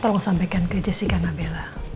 tolong sampaikan ke jessica nabella